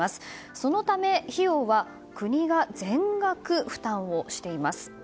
そのため、費用は国が全額負担をしています。